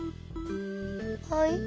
はい？